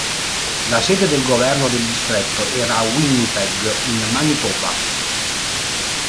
La sede del governo del distretto era a Winnipeg in Manitoba.